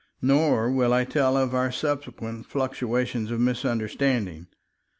Nor will I tell of all our subsequent fluctuations of misunderstanding.